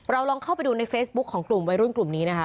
ลองเข้าไปดูในเฟซบุ๊คของกลุ่มวัยรุ่นกลุ่มนี้นะคะ